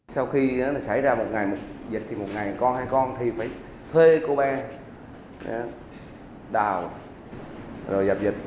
sau khi xảy ra một ngày một dịch thì một ngày con hai con thì phải thuê cô bé đào rồi dập dịch